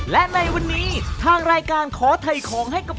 และในวันนี้ทางรายการขอถ่ายของให้กับ